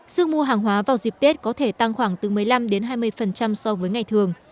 sức mua hàng hóa vào dịp tết có thể tăng khoảng từ một mươi năm đến hai mươi so với ngày thường